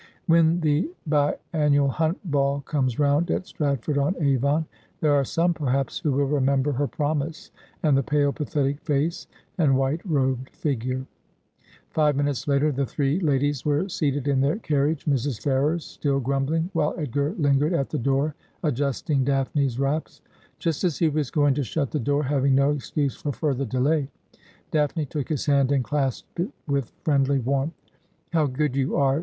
When the bi annual Hunt Ball comes round at Stratford on Avon there. are some, perhaps, who will remember her promise, and the pale, pathetic face, and white robed figure. Five minutes later the three ladies were seated in their carriage, Mrs. Ferrers still grumbling, while Edgar lingered at the door adjusting Daphne's wraps. Just as he was going to shut the door, having no excuse for further delay, Daphne took his hand and clasped it with friendly warmth. ' How good you are